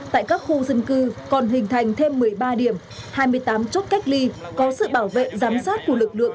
tại các khu dân cư còn hình thành thêm một mươi ba điểm hai mươi tám chốt cách ly có sự bảo vệ giám sát của lực lượng